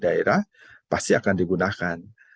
daerah pasti akan digunakan